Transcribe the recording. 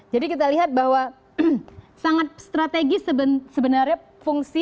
jadi kita lihat bahwa sangat strategis sebenarnya fungsi